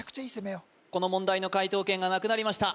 この問題の解答権がなくなりました